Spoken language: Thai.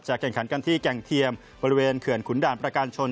แข่งขันกันที่แก่งเทียมบริเวณเขื่อนขุนด่านประการชน